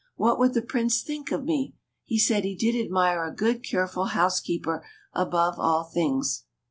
What would the Prince think of me ? He said he did admire a good, careful house keeper above all things."